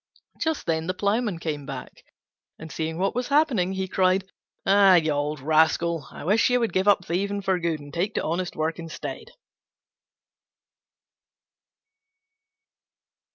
Just then the Ploughman came back, and seeing what was happening, he cried, "Ah, you old rascal, I wish you would give up thieving for good and take to honest work instead."